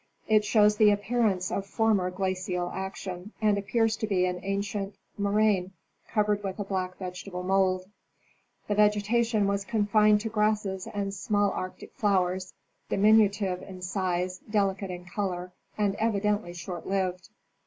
It shows the appearance of former glacial action, and appears to be an ancient moraine covered with a black vegetable mould. The vegetation was confined to grasses and small Arctic flowers, dimin utive in size, delicate in color, and evidently shortlived.